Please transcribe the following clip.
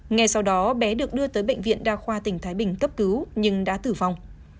ngay sau đó bé được đưa tới bệnh viện đa khoa tỉnh thái bình cấp cứu nhưng đã tử vong